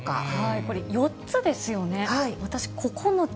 これ、４つですよね、私、９つ？